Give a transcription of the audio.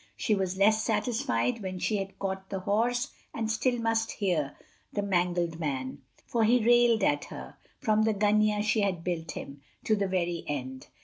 She was less satisfied when she had caught the horse and still must hear the mangled man; for he railed at her, from the gunyah she had built him, to the very end.